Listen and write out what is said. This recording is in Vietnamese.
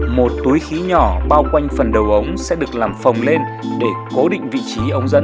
một túi khí nhỏ bao quanh phần đầu ống sẽ được làm phồng lên để cố định vị trí ống dẫn